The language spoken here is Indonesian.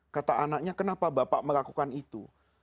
kata anaknya kenapa bapak melakukan itu